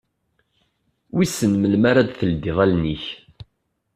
Wissen melmi ara d-teldiḍ allen-ik?